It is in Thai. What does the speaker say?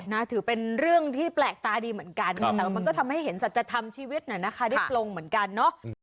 ถือเป็นเรื่องที่แปลกตาดีเหมือนกันแต่ว่ามันก็ทำให้เห็นสัจธรรมชีวิตน่ะนะคะได้ปลงเหมือนกันเนาะ